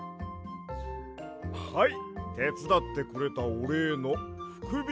はいてつだってくれたおれいのふくびきけん。